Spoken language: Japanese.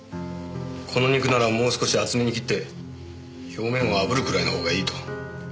この肉ならもう少し厚めに切って表面は炙るぐらいの方がいいと。